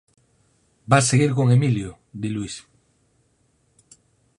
Vas seguir con Emilio –di Luís.